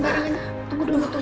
tunggu dulu tunggu dulu